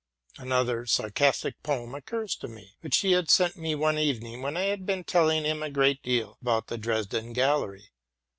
Another sarcastic poem occurs to me, which he sent me one evening, when I had been telling him a great deal about the Dresden gallery.